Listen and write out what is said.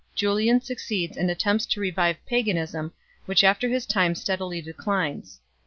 Julian succeeds and attempts to revive paganism, which after his time steadily declines.